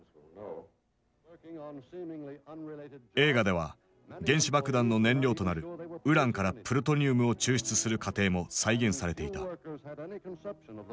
映画では原子爆弾の燃料となるウランからプルトニウムを抽出する過程も再現されていた。